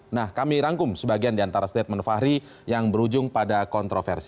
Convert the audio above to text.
nah kami rangkum sebagian di antara statement fahri yang berujung pada kontroversi